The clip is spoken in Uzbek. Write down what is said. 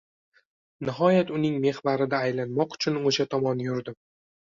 Nihoyat uning mehvarida aylanmoq uchun o’sha tomon yurdim.